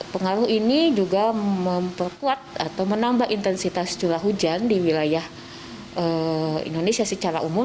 pengaruh ini juga memperkuat atau menambah intensitas curah hujan di wilayah indonesia secara umum